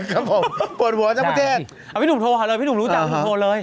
ครับผมปวดหัวทั้งประเทศเอาพี่หนุ่มโทรหาเลยพี่หนุ่มรู้จักพี่หนุ่มโทรเลย